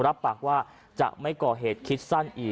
รับปากว่าจะไม่ก่อเหตุคิดสั้นอีก